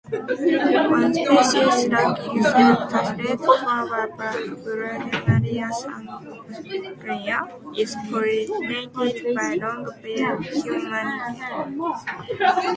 One species lacking scent, the red-flowered "Brugmansia sanguinea", is pollinated by long-billed hummingbirds.